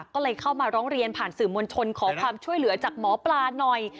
ก็เลยเข้ามาร้องเรียนผ่านสื่อมวลชนขอความช่วยเหลือจากหมอปลาหน่อย